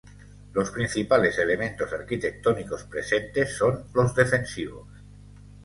Los principales elementos arquitectónicos presentes son los defensivos.